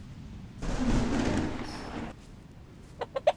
Ṛeḍlet-aɣ-t.